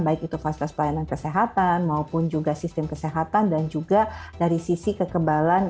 baik itu fasilitas pelayanan kesehatan maupun juga sistem kesehatan dan juga dari sisi kekebalan